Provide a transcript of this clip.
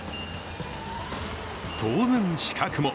当然、資格も。